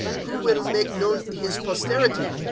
Who will make known His posterity?